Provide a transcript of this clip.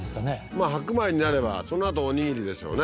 まあ白米になればそのあとおにぎりですよね